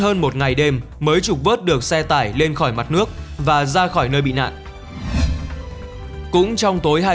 hơn một ngày đêm mới trục vất được xe tải lên khỏi mặt nước và ra khỏi nơi bị nạn cũng trong tối hai mươi ba